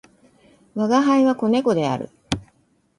吾輩は、子猫である。